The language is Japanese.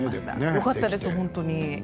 よかったです、本当に。